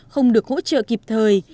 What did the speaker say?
không được hỗ trợ kịp thời